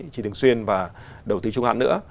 chỉ thường xuyên và đầu tư trung hạn nữa